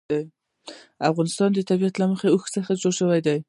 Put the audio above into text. د افغانستان طبیعت له اوښ څخه جوړ شوی دی.